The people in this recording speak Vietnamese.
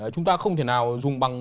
chúng ta không thể nào dùng bằng